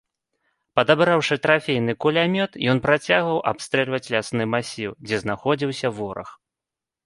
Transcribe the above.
Падабраўшы трафейны кулямёт, ён працягваў абстрэльваць лясны масіў, дзе знаходзіўся вораг.